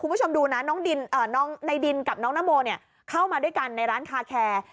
คุณผู้ชมดูนะน้องในดินกับน้องนโมเข้ามาด้วยกันในร้านคาแคร์